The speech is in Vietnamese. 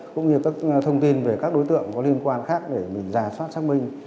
cũng như các thông tin về các đối tượng có liên quan khác để mình giả soát xác minh